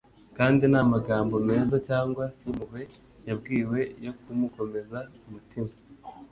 kandi nta magambo meza cyangwa y’impuhwe yabwiwe yo kumukomeza umutima